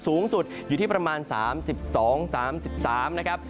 สูงสุดอยู่ที่ประมาณ๓๒๓๓นะครับ